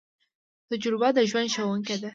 تجربه د ژوند ښوونکی ده